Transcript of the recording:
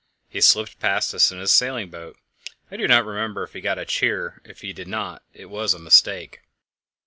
He slipped past us in his sailing boat; I do not remember if he got a cheer. If he did not, it was a mistake.